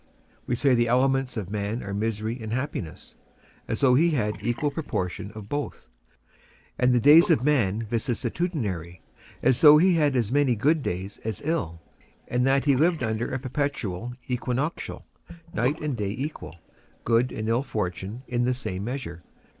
We say the elements of man are misery and happiness, as though he had an equal proportion of both, and the days of man vicissitudinary, as though he had as many good days as ill, and that he lived under a perpetual equinoctial, night and day equal, good and ill fortune in the same measure.